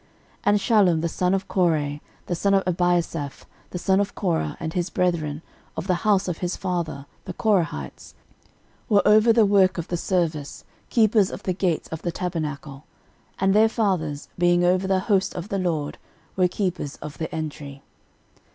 13:009:019 And Shallum the son of Kore, the son of Ebiasaph, the son of Korah, and his brethren, of the house of his father, the Korahites, were over the work of the service, keepers of the gates of the tabernacle: and their fathers, being over the host of the LORD, were keepers of the entry.